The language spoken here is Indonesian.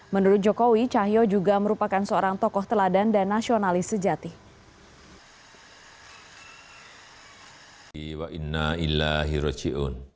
menurut jokowi cahyo juga merupakan seorang tokoh teladan dan nasionalis sejati